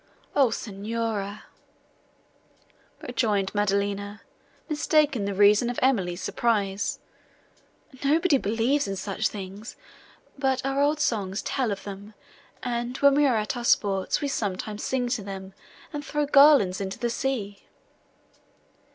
"O, Signora," rejoined Maddelina, mistaking the reason of Emily's surprise, "nobody believes in such things, but our old songs tell of them, and, when we are at our sports, we sometimes sing to them, and throw garlands into the sea."